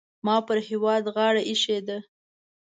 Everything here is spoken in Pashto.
ما پر هېواد غاړه اېښې ده.